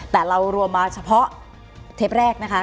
แต่เรารวมมาเฉพาะเทปแรกนะคะ